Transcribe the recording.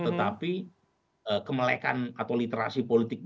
tetapi kemelekan atau literasi politiknya